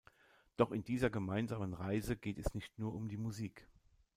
Doch in dieser gemeinsamen Reise geht es nicht nur um die Musik.